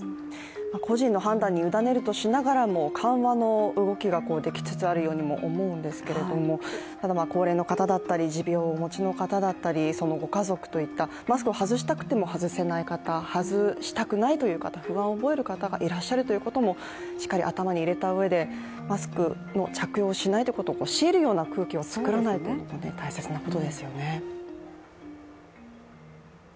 個人の判断に委ねるとしながらも、緩和の動きができつつあるようですけれどもただ、高齢の方だったり、持病をお持ちの方だったり、そのご家族といったマスクを外したくても外せない方、外したくないという方不安を覚える方がいらっしゃるということもしっかり頭に入れたうえでマスクの着用をしないということを強いるような空気を作らないことも大切なことですよね。